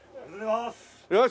よし！